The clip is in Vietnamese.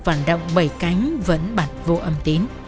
phản động bảy cánh vẫn bạch vô âm tín